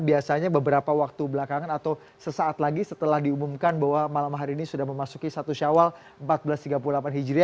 biasanya beberapa waktu belakangan atau sesaat lagi setelah diumumkan bahwa malam hari ini sudah memasuki satu syawal seribu empat ratus tiga puluh delapan hijri